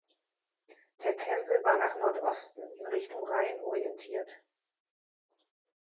Der Tempel war nach Nordosten, in Richtung Rhein orientiert.